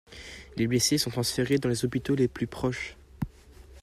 Les blessés sont transférés dans les hôpitaux les plus proches.